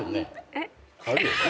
えっ？